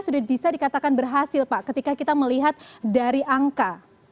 sudah bisa dikatakan berhasil pak ketika kita melihat dari angka